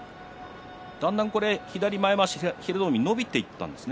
だんだん、この左前まわし伸びていったんですね。